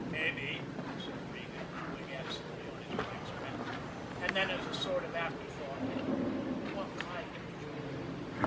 "Mabbe," said Regan, chewing absently on his blackstrap; and then, as a sort of afterthought: "What kind of a job?"